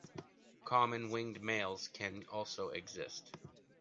Common, winged males can also exist.